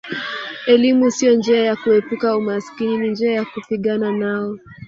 Elimu sio njia ya kuepuka umaskini ni njia ya kupigana nao